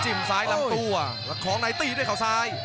จิ้มซ้ายรำตัว